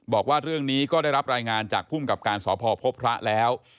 บอกว่าเรื่องนี้ก็ได้รับรายงานจากภูมิกับการสพพบพระแล้ว